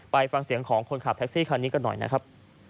ฟังเสียงของคนขับแท็กซี่คันนี้กันหน่อยนะครับ